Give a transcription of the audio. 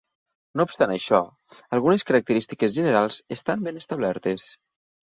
No obstant això, algunes característiques generals estan ben establertes.